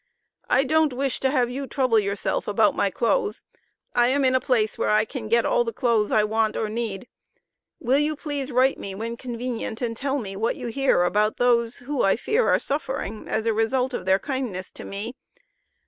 I don't wish to have you trouble yourself about my clothes, I am in a place where I can get all the clothes I want or need. Will you please write me when convenient and tell me what you hear about those who I fear are suffering as the result of their kindness to me?